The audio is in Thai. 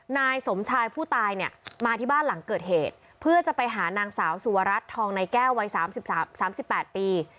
นายสมชายผู้ตายเนี่ยมาที่บ้านหลังเกิดเหตุเพื่อจะไปหานางสาวสุวรัตน์ทองในแก้ววัย๓๘ปี